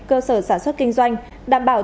cơ sở sản xuất kinh doanh đảm bảo